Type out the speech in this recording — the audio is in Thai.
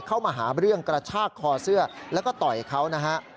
เข้ามาหาเรื่องกระชากคอเสื้อแล้วก็ต่อยเขานะฮะ